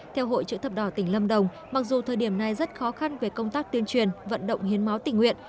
theo hội chữ thập đỏ tỉnh lâm đồng mặc dù thời điểm này rất khó khăn về công tác tuyên truyền vận động hiến máu tỉnh nguyện